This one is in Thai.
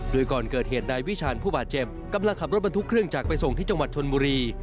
โดยก่อนเกิดเหตุนายวิชาญผู้บาดเจ็บกำลังขับรถบรรทุกเครื่องจากไปส่งที่จังหวัดชนบุรี